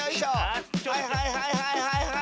はいはいはいはいはい！